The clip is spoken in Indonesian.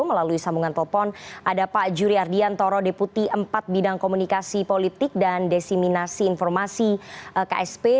melalui sambungan telepon ada pak juri ardiantoro deputi empat bidang komunikasi politik dan desiminasi informasi ksp